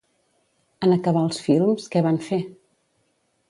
En acabar els films, què van fer?